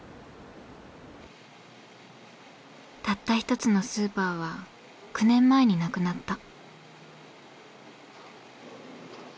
たった１つのスーパーは９年前になくなった。